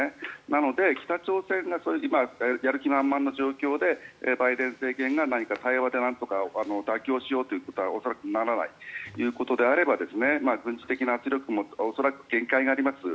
なので、北朝鮮がやる気満々の状態でバイデン政権が何か対話でなんとか妥協しようということには恐らくならないということであれば軍事的な圧力も恐らく限界があります。